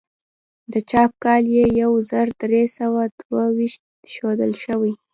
د چاپ کال یې یو زر درې سوه دوه ویشت ښودل شوی.